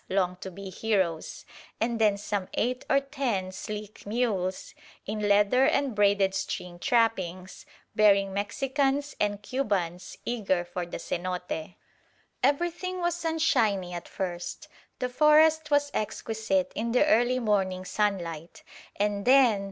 long to be heroes); and then some eight or ten sleek mules, in leather and braided string trappings, bearing Mexicans and Cubans eager for the cenote. Everything was sunshiny at first. The forest was exquisite in the early morning sunlight. And then